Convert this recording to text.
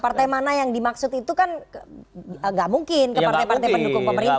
partai mana yang dimaksud itu kan nggak mungkin ke partai partai pendukung pemerintah